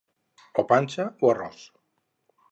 O panxa o arròs.